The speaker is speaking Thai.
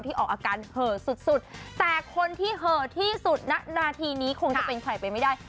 ออกอาการเห่อสุดสุดแต่คนที่เหอะที่สุดณนาทีนี้คงจะเป็นใครไปไม่ได้